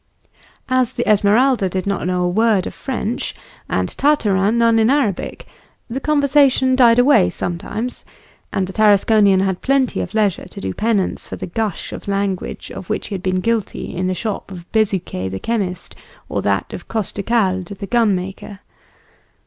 As the Esmeralda did not know a word of French, and Tartarin none in Arabic, the conversation died away sometimes, and the Tarasconian had plenty of leisure to do penance for the gush of language of which he had been guilty in the shop of Bezuquet the chemist or that of Costecalde the gunmaker.